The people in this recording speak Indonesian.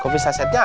kopi sasetnya ada